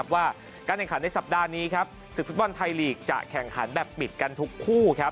ว่าการแข่งขันในสัปดาห์นี้ศึกฟุตบอลไทยลีกจะแข่งขันแบบปิดกันทุกคู่